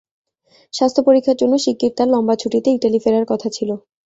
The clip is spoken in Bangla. স্বাস্থ্য পরীক্ষার জন্য শিগগির তাঁর লম্বা ছুটিতে ইতালি ফেরার কথা ছিল।